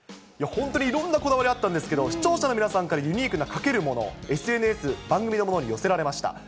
本当にいろんなこだわりあったんですけど、視聴者の皆さんからユニークなかけるもの、ＳＮＳ、番組のほうに寄せられました。